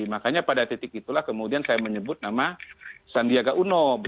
makanya pada titik itulah kemudian saya menyebut nama sandiaga uno